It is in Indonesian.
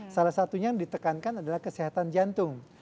salah satunya yang ditekankan adalah kesehatan jantung